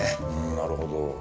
なるほど。